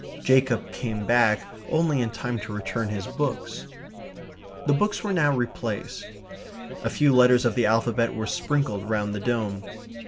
Jacob came back only in time to return his books. The books were now replaced. A few letters of the alphabet were sprinkled round the dome.